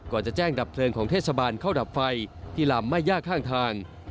จะแจ้งดับเพลิงของเทศบาลเข้าดับไฟที่ลำไม่ยากข้างทาง